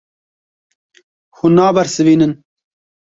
Hûn nabersivînin.